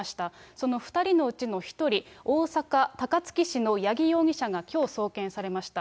その２人のうちの１人、大阪・高槻市の八木容疑者がきょう送検されました。